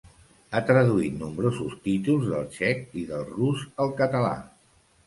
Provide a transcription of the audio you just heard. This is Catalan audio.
Ha traduït nombrosos títols del txec i del rus al català.